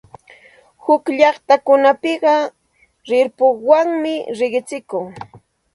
Huk llaqtakunapiqa rirpuwanmi riqsinku.